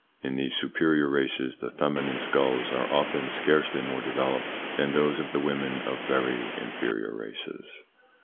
In these superior races the feminine skulls are often scarcely more developed than those of the women of very inferior races.